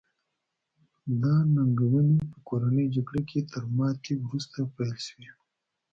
دا ننګونې په کورنۍ جګړه کې تر ماتې وروسته پیل شوې.